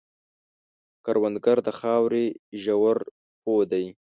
کروندګر د خاورې ژور پوه دی